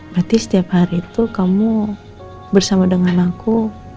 berarti setiap hari itu kamu bersama dengan aku